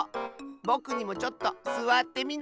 ぼくにもちょっとすわってみない？